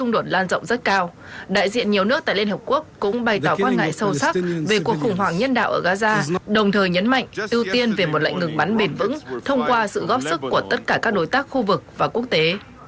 đại diện nhiều nước tại liên hợp quốc cũng bày tỏ quan ngại sâu sắc về cuộc khủng hoảng nhân đạo ở gaza đồng thời nhấn mạnh ưu tiên về một lệnh ngừng bắn bền vững thông qua sự góp sức của tất cả các đối tác khu vực và quốc tế